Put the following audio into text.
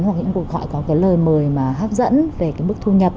hoặc những cuộc gọi có lời mời hấp dẫn về mức thu nhập